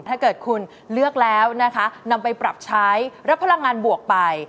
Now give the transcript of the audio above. ถ้าเกิดคุณเลือกแล้วนะคะนำไปปรับใช้แล้วพลังงานบวกไป